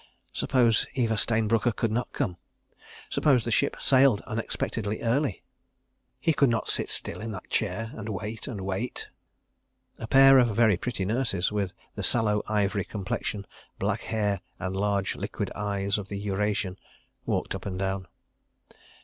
... Suppose Eva Stayne Brooker could not come! Suppose the ship sailed unexpectedly early! ... He could not sit still in that chair and wait, and wait. ... A pair of very pretty nurses, with the sallow ivory complexion, black hair and large liquid eyes of the Eurasian, walked up and down.